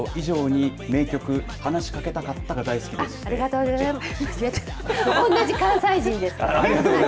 私、ネット以上に名曲、話しかけたかったありがとうございます。